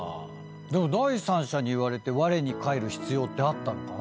第三者に言われてわれに返る必要ってあったのかな？